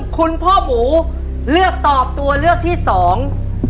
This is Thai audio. คุณพ่อหมูเลือกตอบตัวเลือกที่สอง